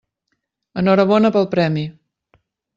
Enhorabona pel premi.